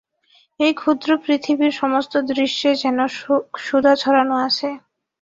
এই ক্ষুদ্র পৃথিবীর সমস্ত দৃশ্যে যেন সুধা ছড়ানো আছে।